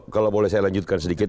kalau boleh saya lanjutkan sedikit